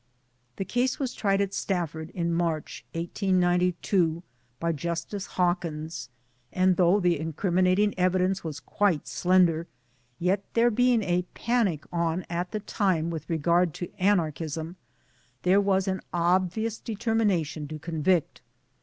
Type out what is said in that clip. The case was tried at Stafford in March '92 by Justice Hawkins, and though the incriminating evidence was quite slender yet, there being a panic on at the time with regard to Anarchism, there was an obvious determination to convict.